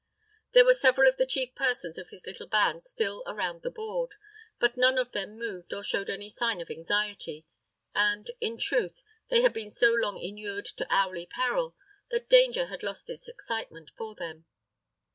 There were several of the chief persons of his little band still around the board; but none of them moved or showed any sign of anxiety, and, in truth, they had been so long inured to hourly peril that danger had lost its excitement for them.